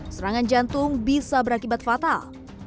serangan jantung bisa berakibat fatal